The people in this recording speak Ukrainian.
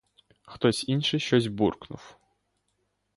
Хтось інший щось буркнув.